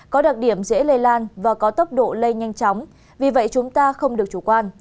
có đặc điểm dễ lây lan và có tốc độ lây nhanh chóng vì vậy chúng ta không được chủ quan